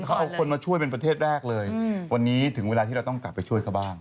เขาเอาคนมาช่วยเป็นประเทศแรกเลยวันนี้ถึงเวลาที่เราต้องกลับไปช่วยเขาบ้าง